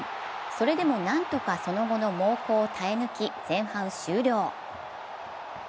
それでも何とかその後の猛攻を耐え抜き前半終了。